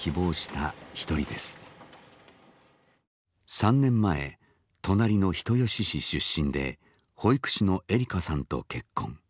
３年前隣の人吉市出身で保育士の栄里香さんと結婚。